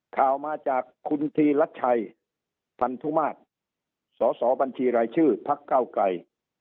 ข่าวมาจากคุณธีรัชชัยพันธุมาตรสอสอบัญชีรายชื่อพักเก้าไกร